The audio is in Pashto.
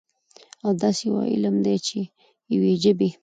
او داسي يوه علم ده، چې د يوي ژبې